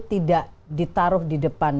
tidak ditaruh di depan